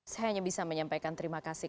saya hanya bisa menyampaikan terima kasih